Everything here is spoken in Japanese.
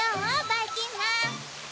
ばいきんまん。